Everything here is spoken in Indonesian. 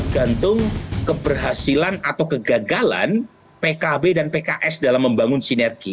gantung keberhasilan atau kegagalan pkb dan pks dalam membangun sinergi